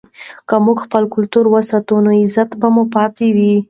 که موږ خپل کلتور وساتو نو عزت به مو پاتې وي.